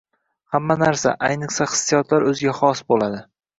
Hamma narsa, ayniqsa hissiyotlar o‘ziga xos bo‘ladi